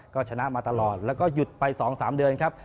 ก็ชนะมาตลอดแล้วก็หยุดไป๒๓เดือนครับ